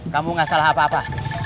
kamu gak salah apa apa